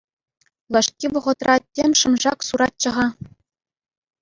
Юлашки вӑхӑтра тем шӑм-шак суратчӗ-ха.